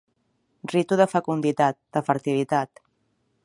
Ritu de fecunditat, de fertilitat.